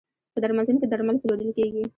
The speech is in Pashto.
په درملتون کې درمل پلورل کیږی.